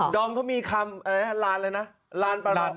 ดอมมีคำร้านอะไรนะ